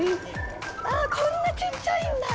ああこんなちっちゃいんだ！